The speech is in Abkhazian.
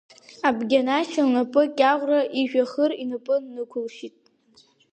Абгьанашь лнапы Кьаӷәра ижәҩахыр инықәылшьит.